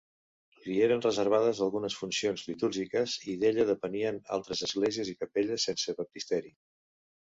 Li eren reservades algunes funcions litúrgiques, i d'ella depenien altres esglésies i capelles sense baptisteri.